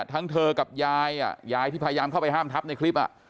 ทั้งเธอกับยายยายที่พยายามเข้าไปห้ามทับในคลิป